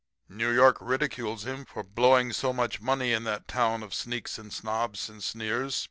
New York ridicules him for "blowing" so much money in that town of sneaks and snobs, and sneers.